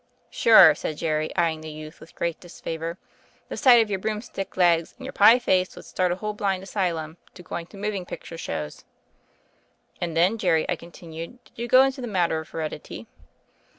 ' Sure," said Jerry, eyeing the youth with great disfavor, "the sight of your broomstick legs and your pie face would start a whole blind asylum to going to moving picture shows." "And then, Jerry," I continued, "did you go into the matter of heredity?"